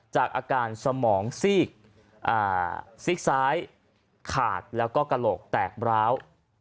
จากอาการสมองซีกซ้ายขาดแล้วก็กระโหลกแตกร้าว